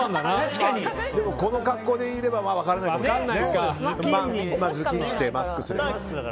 でもこの格好でいればバレないですね。